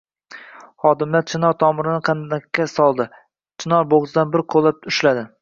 Xodimlar chinor tomirini xandaqqa soldi. Chinor bo‘g‘zidan bir qo‘llab ushladi.